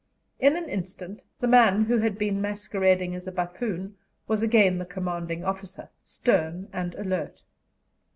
In an instant the man who had been masquerading as a buffoon was again the commanding officer, stern and alert.